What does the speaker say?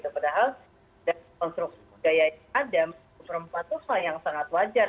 padahal dari konstruksi budaya yang ada menurut perempuan itu hal yang sangat wajar